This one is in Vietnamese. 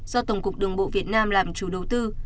do tổng cục đường bộ việt nam làm chủ đầu tư